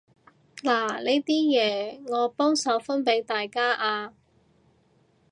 嗱呢啲嘢，你幫手分畀大家啊